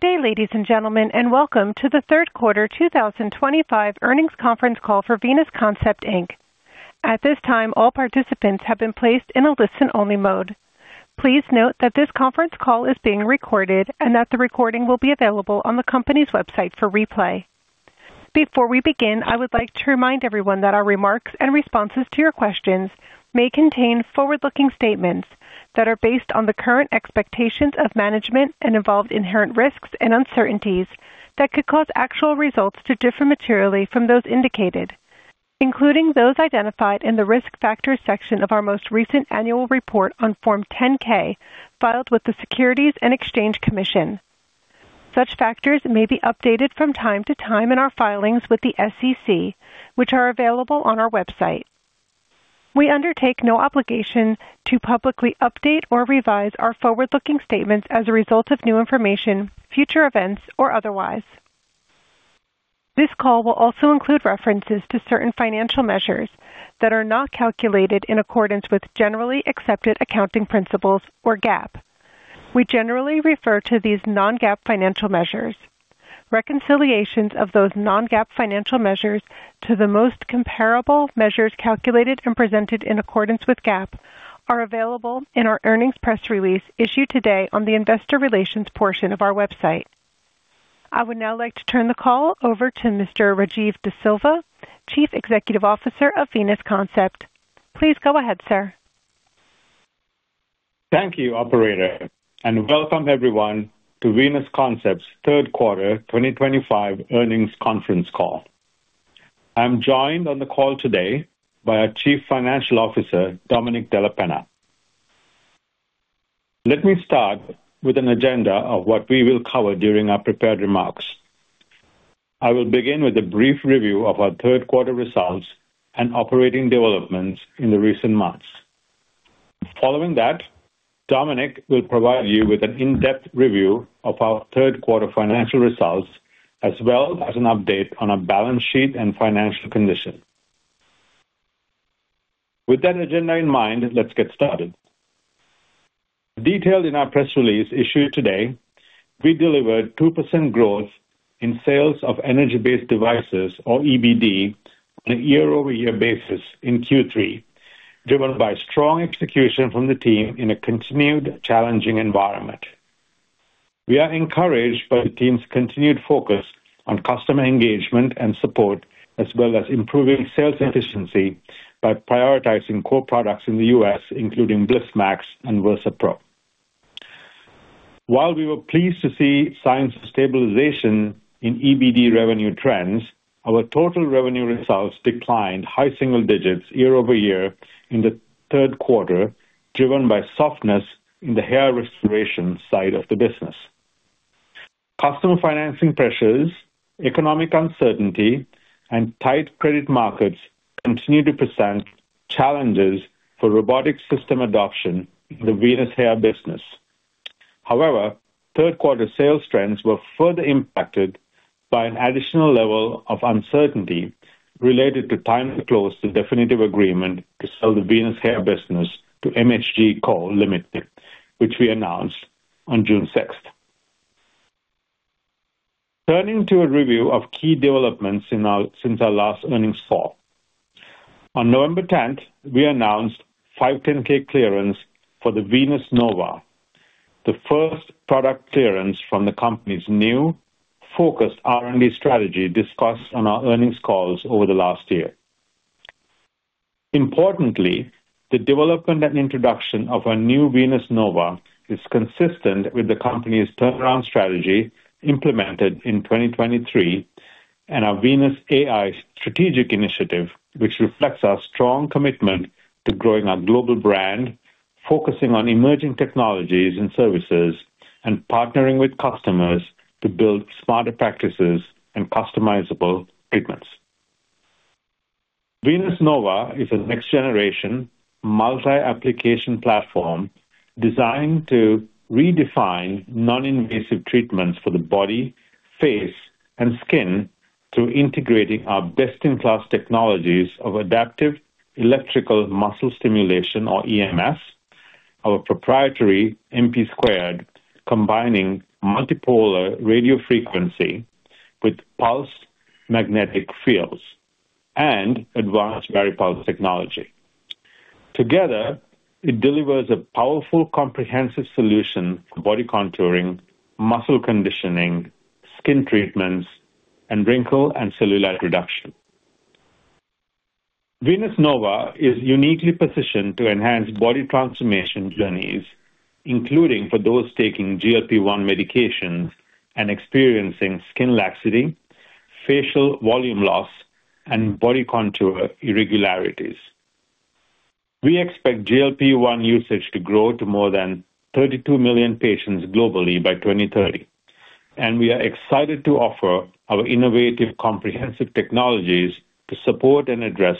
Good day, ladies and gentlemen, and welcome to the Q3 2025 earnings conference call for Venus Concept Inc. At this time, all participants have been placed in a listen-only mode. Please note that this conference call is being recorded and that the recording will be available on the company's website for replay. Before we begin, I would like to remind everyone that our remarks and responses to your questions may contain forward-looking statements that are based on the current expectations of management and involve inherent risks and uncertainties that could cause actual results to differ materially from those indicated, including those identified in the risk factors section of our most recent annual report on Form 10-K filed with the Securities and Exchange Commission. Such factors may be updated from time to time in our filings with the SEC, which are available on our website. We undertake no obligation to publicly update or revise our forward-looking statements as a result of new information, future events, or otherwise. This call will also include references to certain financial measures that are not calculated in accordance with generally accepted accounting principles, or GAAP. We generally refer to these non-GAAP financial measures. Reconciliations of those non-GAAP financial measures to the most comparable measures calculated and presented in accordance with GAAP are available in our earnings press release issued today on the investor relations portion of our website. I would now like to turn the call over to Mr. Rajiv De Silva, Chief Executive Officer of Venus Concept. Please go ahead, sir. Thank you, Operator, and welcome everyone to Venus Concept's Q3 2025 earnings conference call. I'm joined on the call today by our Chief Financial Officer, Domenic Della Penna. Let me start with an agenda of what we will cover during our prepared remarks. I will begin with a brief review of our Q3 results and operating developments in the recent months. Following that, Domenic Della Penna will provide you with an in-depth review of our Q3 financial results, as well as an update on our balance sheet and financial condition. With that agenda in mind, let's get started. Detailed in our press release issued today, we delivered 2% growth in sales of energy-based devices, or EBD, on a year-over-year basis in Q3, driven by strong execution from the team in a continued challenging environment. We are encouraged by the team's continued focus on customer engagement and support, as well as improving sales efficiency by prioritizing core products in the U.S., including BlizzMax and VersaPro. While we were pleased to see signs of stabilization in EBD revenue trends, our total revenue results declined high-single-digits year-over-year in the Q3, driven by softness in the hair restoration side of the business. Customer financing pressures, economic uncertainty, and tight credit markets continue to present challenges for robotic system adoption in the Venus hair business. However, Q3 sales trends were further impacted by an additional level of uncertainty related to time to close the definitive agreement to sell the Venus hair business to MHG Coal Limited, which we announced on June 6th. Turning to a review of key developments since our last earnings call, on November 10th, we announced 510(k) clearance for the Venus Nova, the first product clearance from the company's new focused R&D strategy discussed on our earnings calls over the last year. Importantly, the development and introduction of our new Venus Nova is consistent with the company's turnaround strategy implemented in 2023 and our Venus AI strategic initiative, which reflects our strong commitment to growing our global brand, focusing on emerging technologies and services, and partnering with customers to build smarter practices and customizable treatments. Venus Nova is a next-generation multi-application platform designed to redefine non-invasive treatments for the body, face, and skin through integrating our best-in-class technologies of adaptive electrical muscle stimulation, or EMS, our proprietary MP² combining multipolar radio frequency with pulsed magnetic fields, and advanced Very Pulse technology. Together, it delivers a powerful comprehensive solution for body contouring, muscle conditioning, skin treatments, and wrinkle and cellulite reduction. Venus Nova is uniquely positioned to enhance body transformation journeys, including for those taking GLP-1 medications and experiencing skin laxity, facial volume loss, and body contour irregularities. We expect GLP-1 usage to grow to more than 32 million patients globally by 2030, and we are excited to offer our innovative comprehensive technologies to support and address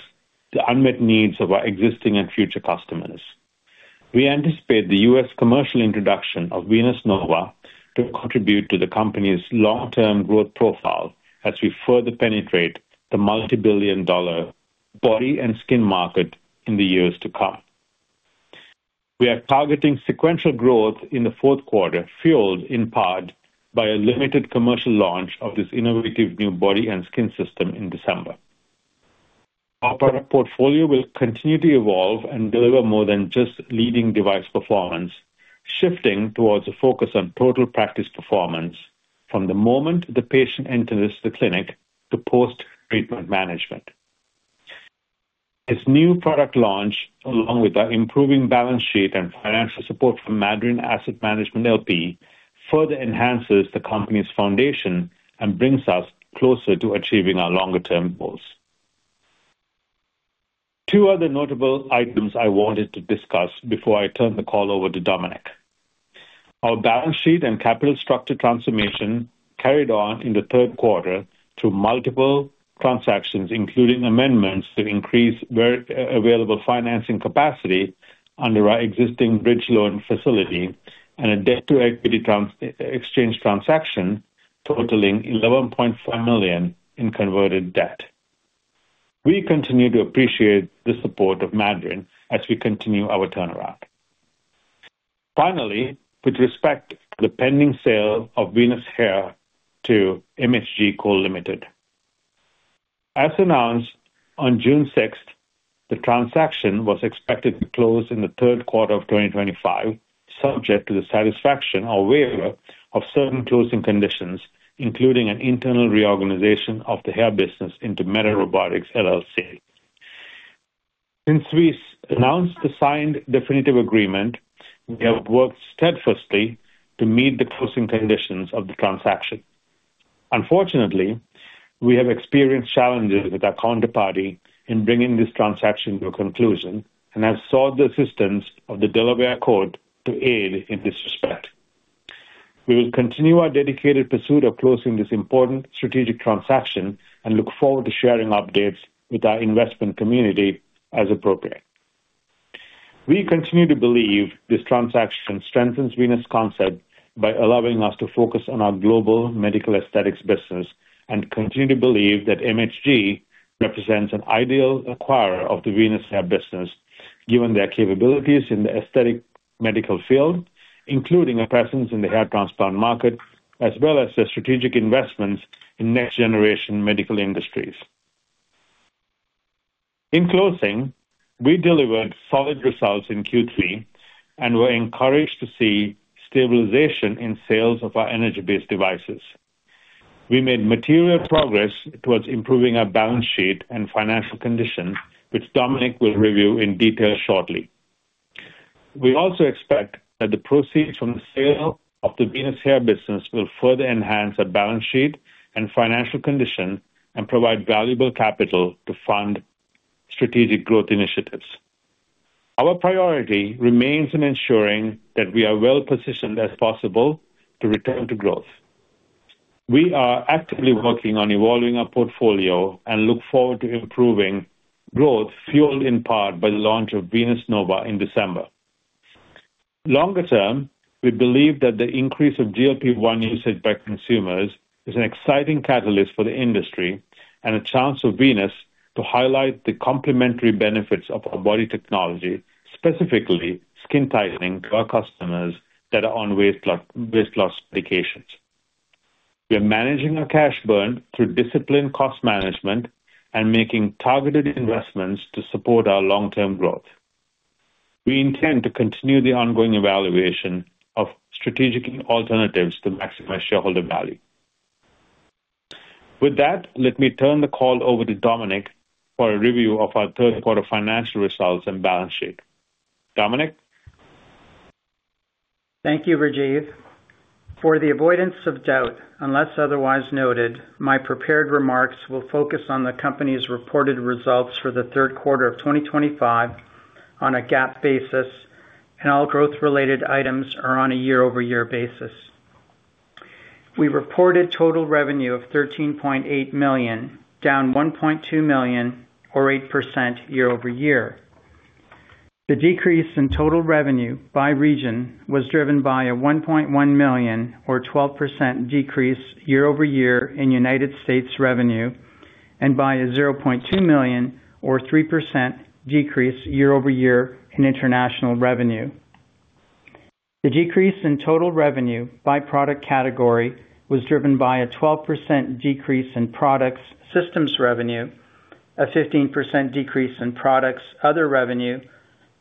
the unmet needs of our existing and future customers. We anticipate the U.S. commercial introduction of Venus Nova to contribute to the company's long-term growth profile as we further penetrate the multi-billion dollar body and skin market in the years to come. We are targeting sequential growth in the Q4, fueled in part by a limited commercial launch of this innovative new body and skin system in December. Our product portfolio will continue to evolve and deliver more than just leading device performance, shifting towards a focus on total practice performance from the moment the patient enters the clinic to post-treatment management. This new product launch, along with our improving balance sheet and financial support from Mandarin Asset Management LP, further enhances the company's foundation and brings us closer to achieving our longer-term goals. Two other notable items I wanted to discuss before I turn the call over to Domenic Della Penna. Our balance sheet and capital structure transformation carried on in the Q3 through multiple transactions, including amendments to increase available financing capacity under our existing bridge loan facility and a debt-to-equity exchange transaction totaling $11.4 million in converted debt. We continue to appreciate the support of Mandarin as we continue our turnaround. Finally, with respect to the pending sale of Venus Hair to MHG Coal Limited, as announced on June 6th, the transaction was expected to close in the Q3 of 2025, subject to the satisfaction or waiver of certain closing conditions, including an internal reorganization of the hair business into Metal Robotics LLC. Since we announced the signed definitive agreement, we have worked steadfastly to meet the closing conditions of the transaction. Unfortunately, we have experienced challenges with our counterparty in bringing this transaction to a conclusion and have sought the assistance of the Delaware Court to aid in this respect. We will continue our dedicated pursuit of closing this important strategic transaction and look forward to sharing updates with our investment community as appropriate. We continue to believe this transaction strengthens Venus Concept by allowing us to focus on our global medical aesthetics business and continue to believe that MHG represents an ideal acquirer of the Venus hair business, given their capabilities in the aesthetic medical field, including a presence in the hair transplant market, as well as their strategic investments in next-generation medical industries. In closing, we delivered solid results in Q3 and were encouraged to see stabilization in sales of our energy-based devices. We made material progress towards improving our balance sheet and financial condition, which Domenic Della Penna will review in detail shortly. We also expect that the proceeds from the sale of the Venus hair business will further enhance our balance sheet and financial condition and provide valuable capital to fund strategic growth initiatives. Our priority remains in ensuring that we are well positioned as possible to return to growth. We are actively working on evolving our portfolio and look forward to improving growth fueled in part by the launch of Venus Nova in December. Longer-term, we believe that the increase of GLP-1 usage by consumers is an exciting catalyst for the industry and a chance for Venus to highlight the complementary benefits of our body technology, specifically skin tightening to our customers that are on weight loss medications. We are managing our cash burn through disciplined cost management and making targeted investments to support our long-term growth. We intend to continue the ongoing evaluation of strategic alternatives to maximize shareholder value. With that, let me turn the call over to Domenic Della Penna for a review of our Q3 financial results and balance sheet. Domenic Della Penna. Thank you, Rajiv De Silva. For the avoidance of doubt, unless otherwise noted, my prepared remarks will focus on the company's reported results for the Q3 of 2025 on a GAAP basis, and all growth-related items are on a year-over-year basis. We reported total revenue of $13.8 million, down $1.2 million, or 8% year-over-year. The decrease in total revenue by region was driven by a $1.1 million, or 12% decrease year-over-year in United States revenue, and by a $0.2 million, or 3% decrease year-over-year in international revenue. The decrease in total revenue by product category was driven by a 12% decrease in products systems revenue, a 15% decrease in products other revenue,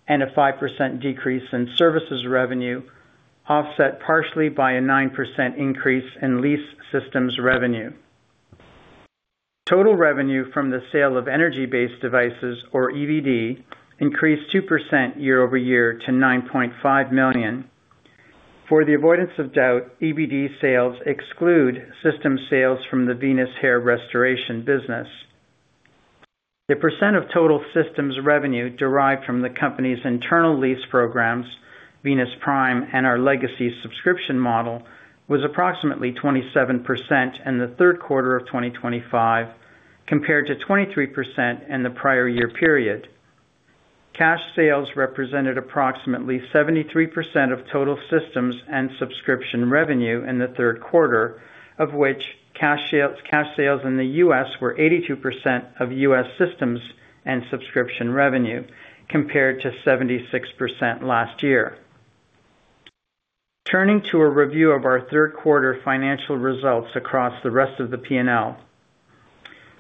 and a 5% decrease in services revenue, offset partially by a 9% increase in lease systems revenue. Total revenue from the sale of energy-based devices, or EBD, increased 2% year-over-year to $9.5 million. For the avoidance of doubt, EBD sales exclude system sales from the Venus hair restoration business. The % of total systems revenue derived from the company's internal lease programs, Venus Prime, and our legacy subscription model was approximately 27% in the Q3 of 2025, compared to 23% in the prior year period. Cash sales represented approximately 73% of total systems and subscription revenue in the Q3, of which cash sales in the U.S. were 82% of U.S. systems and subscription revenue, compared to 76% last year. Turning to a review of our Q3 financial results across the rest of the P&L,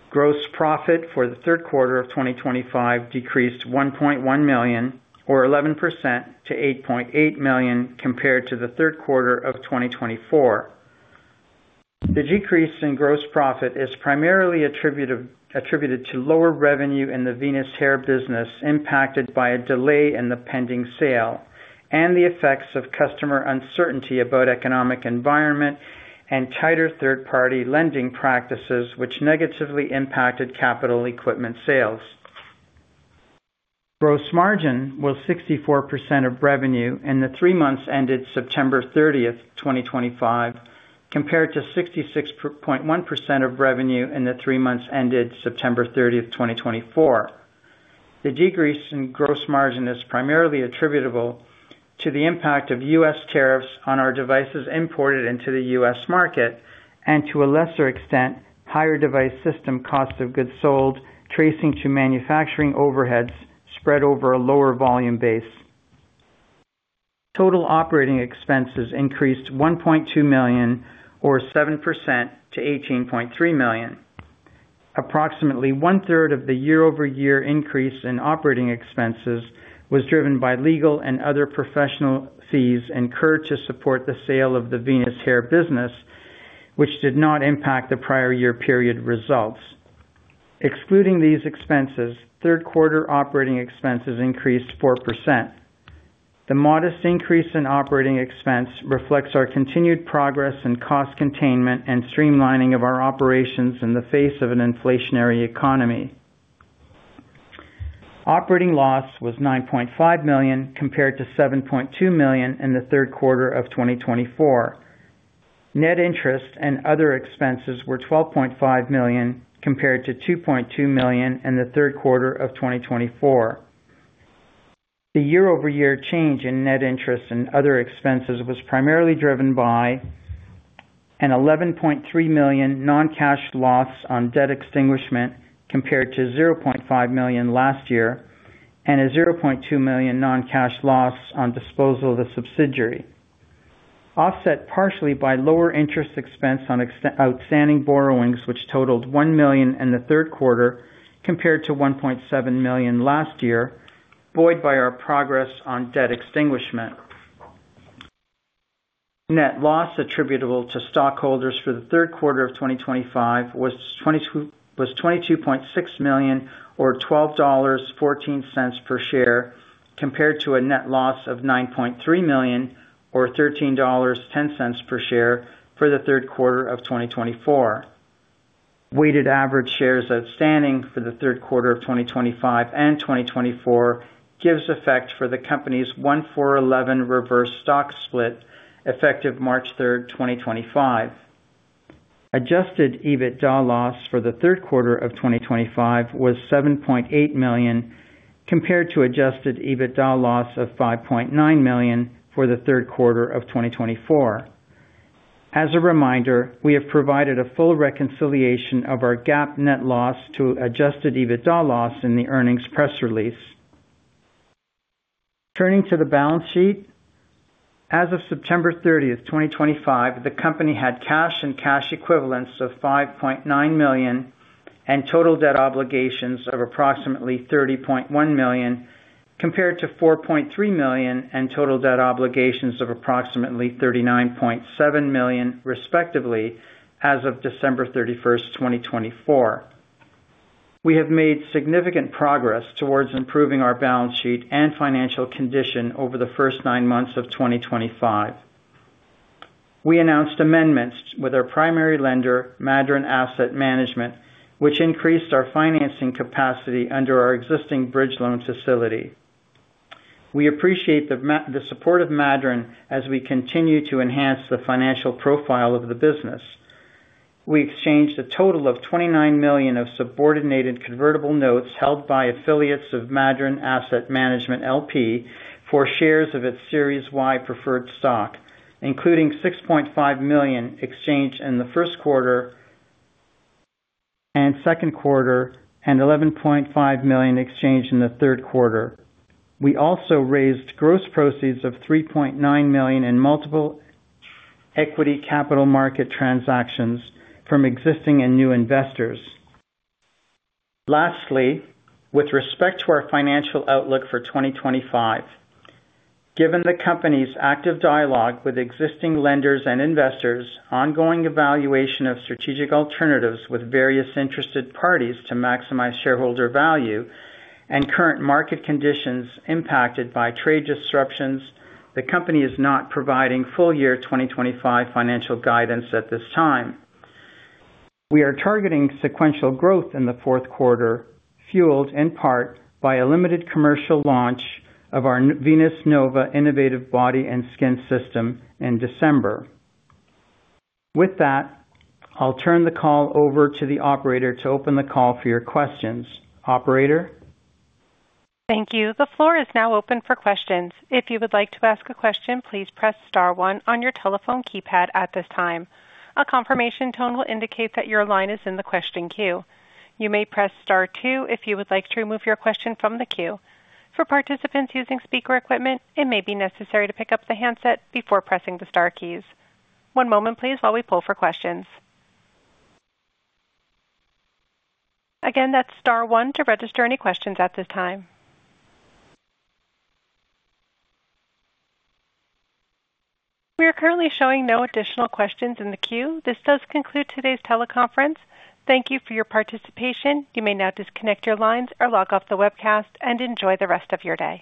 gross profit for the Q3 of 2025 decreased $1.1 million, or 11%, to $8.8 million compared to the Q3 of 2024. The decrease in gross profit is primarily attributed to lower revenue in the Venus hair business impacted by a delay in the pending sale and the effects of customer uncertainty about the economic environment and tighter third-party lending practices, which negatively impacted capital equipment sales. Gross margin was 64% of revenue in the three months ended September 30, 2025, compared to 66.1% of revenue in the three months ended September 30, 2024. The decrease in gross margin is primarily attributable to the impact of U.S. tariffs on our devices imported into the U.S. market and, to a lesser extent, higher device system costs of goods sold tracing to manufacturing overheads spread over a lower volume base. Total operating expenses increased $1.2 million, or 7%, to $18.3 million. Approximately one-third of the year-over-year increase in operating expenses was driven by legal and other professional fees incurred to support the sale of the Venus hair business, which did not impact the prior year period results. Excluding these expenses, third-quarter operating expenses increased 4%. The modest increase in operating expense reflects our continued progress in cost containment and streamlining of our operations in the face of an inflationary economy. Operating loss was $9.5 million compared to $7.2 million in the Q3 of 2024. Net interest and other expenses were $12.5 million compared to $2.2 million in the Q3 of 2024. The year-over-year change in net interest and other expenses was primarily driven by an $11.3 million non-cash loss on debt extinguishment compared to $0.5 million last year and a $0.2 million non-cash loss on disposal of the subsidiary, offset partially by lower interest expense on outstanding borrowings, which totaled $1 million in the Q3 compared to $1.7 million last year, buoyed by our progress on debt extinguishment. Net loss attributable to stockholders for the Q3 of 2025 was $22.6 million, or $12.14 per share, compared to a net loss of $9.3 million, or $13.10 per share for the Q3 of 2024. Weighted average shares outstanding for the Q3 of 2025 and 2024 gives effect for the company's 14-for-11 reverse stock split effective March 3, 2025. Adjusted EBITDA loss for the Q3 of 2025 was $7.8 million compared to Adjusted EBITDA loss of $5.9 million for the Q3 of 2024. As a reminder, we have provided a full reconciliation of our GAAP net loss to Adjusted EBITDA loss in the earnings press release. Turning to the balance sheet, as of September 30, 2025, the company had cash and cash equivalents of $5.9 million and total debt obligations of approximately $30.1 million compared to $4.3 million and total debt obligations of approximately $39.7 million, respectively, as of December 31st, 2024. We have made significant progress towards improving our balance sheet and financial condition over the first nine months of 2025. We announced amendments with our primary lender, Mandarin Asset Management, which increased our financing capacity under our existing bridge loan facility. We appreciate the support of Mandarin as we continue to enhance the financial profile of the business. We exchanged a total of $29 million of subordinated convertible notes held by affiliates of Mandarin Asset Management LP for shares of its Series Y preferred stock, including $6.5 million exchanged in the Q1 and Q2 and $11.5 million exchanged in the Q3. We also raised gross proceeds of $3.9 million in multiple equity capital market transactions from existing and new investors. Lastly, with respect to our financial outlook for 2025, given the company's active dialogue with existing lenders and investors, ongoing evaluation of strategic alternatives with various interested parties to maximize shareholder value, and current market conditions impacted by trade disruptions, the company is not providing full-year 2025 financial guidance at this time. We are targeting sequential growth in the Q4, fueled in part by a limited commercial launch of our Venus Nova innovative body and skin system in December. With that, I'll turn the call over to the operator to open the call for your questions. Operator. Thank you. The floor is now open for questions. If you would like to ask a question, please press star one on your telephone keypad at this time. A confirmation tone will indicate that your line is in the question queue. You may press star two if you would like to remove your question from the queue. For participants using speaker equipment, it may be necessary to pick up the handset before pressing the star keys. One moment, please, while we pull for questions. Again, that's star one to register any questions at this time. We are currently showing no additional questions in the queue. This does conclude today's teleconference. Thank you for your participation. You may now disconnect your lines or log off the webcast and enjoy the rest of your day.